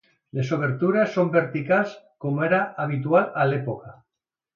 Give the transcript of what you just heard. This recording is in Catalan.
Les obertures són verticals, com era habitual a l'època.